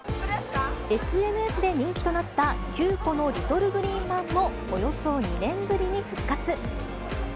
ＳＮＳで人気となった９個のリトルグリーンまんもおよそ２年ぶりに復活。